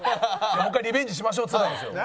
「もう一回リベンジしましょう」っつってたんですよ。